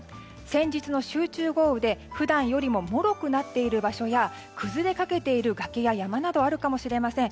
先日の集中豪雨で普段よりも脆くなっている場所や崩れかけている崖や山などあるかもしれません。